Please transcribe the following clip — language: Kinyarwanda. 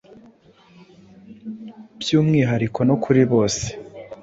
by’umwihariko no kuri bose